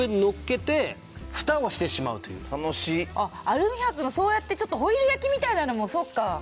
アルミ箔のそうやってちょっとホイル焼きみたいなのもそっか。